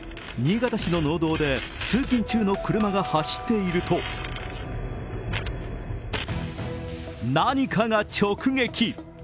新潟市の農道で通勤中の車が走っていると何かが直撃。